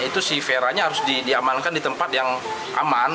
itu si veranya harus diamankan di tempat yang aman